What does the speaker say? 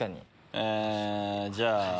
えじゃあ。